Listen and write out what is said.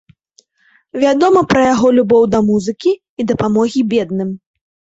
Вядома пра яго любоў да музыкі і дапамогі бедным.